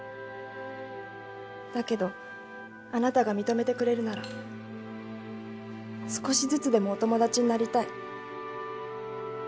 だけどあなたが認めてくれるなら少しずつでもお友達になりたい。